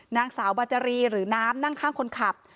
นางสาวบาจารีหรือน้ำนั่งข้างคนขับ